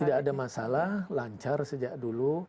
tidak ada masalah lancar sejak dulu